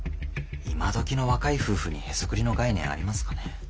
今どきの若い夫婦にへそくりの概念ありますかね？